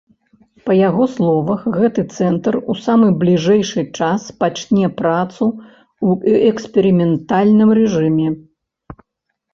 Па яго словах, гэты цэнтр у самы бліжэйшы час пачне працу ў эксперыментальным рэжыме.